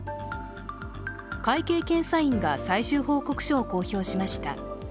会計検査院が最終報告書を公表しました。